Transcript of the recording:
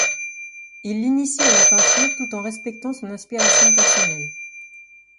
Il l'initie à la peinture tout en respectant son inspiration personnelle.